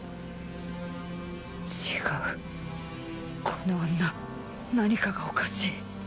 違うこの女何かがおかしい。